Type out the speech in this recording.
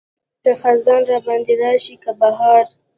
که خزان راباندې راشي که بهار.